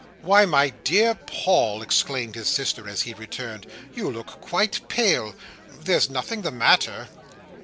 "Why, my dear Paul!" exclaimed his sister, as he returned, "you look quite pale! There's nothing the matter?"